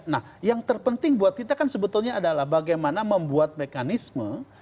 nah yang terpenting buat kita kan sebetulnya adalah bagaimana membuat mekanisme